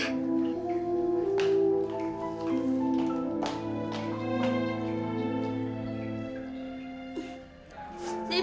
aku mau disantane pozy siap